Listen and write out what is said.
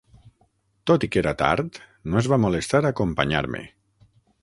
Tot i que era tard, no es va molestar a acompanyar-me.